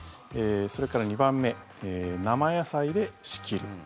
それから２番目生野菜で仕切る。